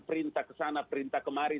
perintah ke sana perintah kemari